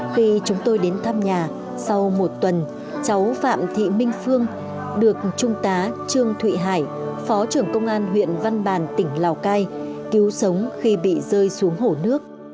khi chúng tôi đến thăm nhà sau một tuần cháu phạm thị minh phương được trung tá trương thụy hải phó trưởng công an huyện văn bàn tỉnh lào cai cứu sống khi bị rơi xuống hồ nước